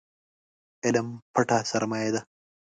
علم پټه سرمايه ده